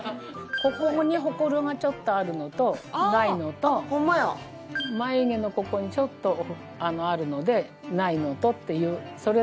ここにホクロがちょっとあるのとないのと眉毛のここにちょっとあるのでないのとっていうそれだけですかね。